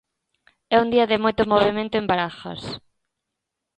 É un día de moito movemento en Barajas.